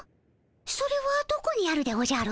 それはどこにあるでおじゃる？